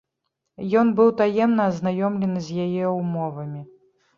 Ён быў таемна азнаёмлены з яе ўмовамі.